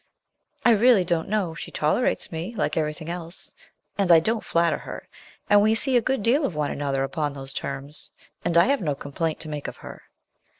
'I really don't know. She tolerates me, like everything else; and I don't flatter her; and we see a good deal of one another upon those terms, and I have no complaint to make of her.